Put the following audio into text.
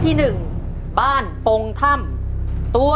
จิตตะสังวโรครับ